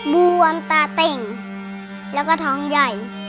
บวมตาเต่งแล้วก็ท้องใหญ่